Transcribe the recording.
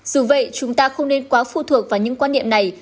dù vậy chúng ta không nên quá phụ thuộc vào những quan niệm này